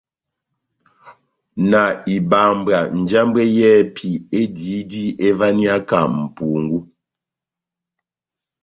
Na ibambwa njambwɛ yɛ́hɛ́pi ediyidi evaniyaka mʼpungú.